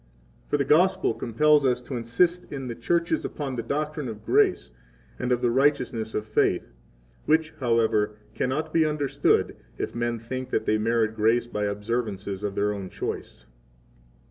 20 For the Gospel compels us to insist in the churches upon the doctrine of grace, and of the righteousness of faith; which, however, cannot be understood, if men think that they merit grace by observances of their own choice.